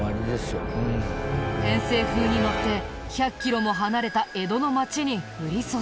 偏西風にのって１００キロも離れた江戸の町に降り注ぎ。